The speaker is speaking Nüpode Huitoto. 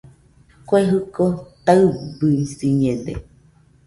Kue jɨko taɨbɨsiñede